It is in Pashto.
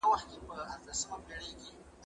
اوس پاو بالا دولس بجې دي باره زه ولاړم